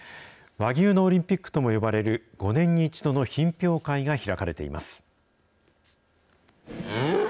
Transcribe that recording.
和牛のオリンピックとも呼ばれる５年に１度の品評会が開かれています。